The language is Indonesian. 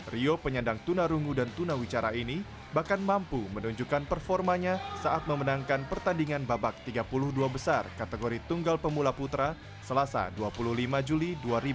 rio penyandang tunarungu dan tunawicara ini bahkan mampu menunjukkan performanya saat memenangkan pertandingan babak tiga puluh dua besar kategori tunggal pemula putra selasa dua puluh lima juli dua ribu dua puluh